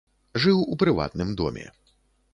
Жыў у прыватным доме.